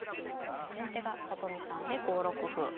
先手が里見さんで５六歩。